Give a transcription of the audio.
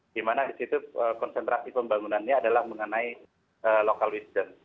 dimana disitu konsentrasi pembangunannya adalah mengenai local wisdom